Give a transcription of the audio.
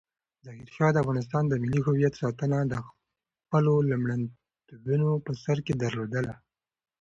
ظاهرشاه د افغانستان د ملي هویت ساتنه د خپلو لومړیتوبونو په سر کې درلودله.